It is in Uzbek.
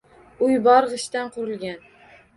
Uy bor gʼishtdan qurilgan.